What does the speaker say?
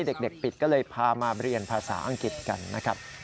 เด็กปิดก็เลยพามาเรียนภาษาอังกฤษกันนะครับ